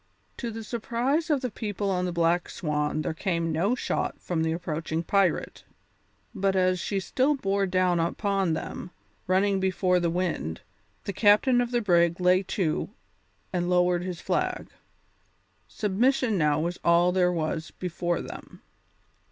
To the surprise of the people on the Black Swan there came no shot from the approaching pirate; but as she still bore down upon them, running before the wind, the captain of the brig lay to and lowered his flag. Submission now was all there was before them.